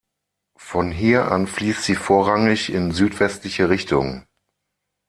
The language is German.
Von hier an fließt sie vorrangig in südwestliche Richtung.